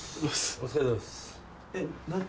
お疲れさまです。